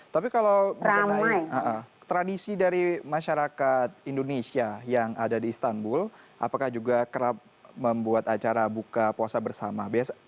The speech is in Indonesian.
tapi kalau mengenai tradisi dari masyarakat indonesia yang ada di istanbul apakah juga kerap membuat acara buka puasa bersama